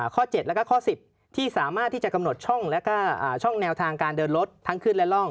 ข้อ๗แล้วก็ข้อ๑๐ที่สามารถที่จะกำหนดช่องและก็ช่องแนวทางการเดินรถทั้งขึ้นและร่อง